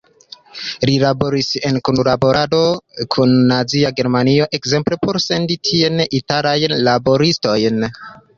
Li laboris en kunlaborado kun Nazia Germanio ekzemple por sendi tien italajn laboristojn.